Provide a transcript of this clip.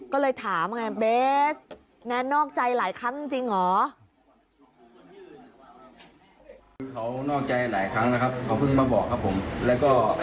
ก็เลยถามว่าแนนนแนนนอกใจหลายครั้งจริงหรือ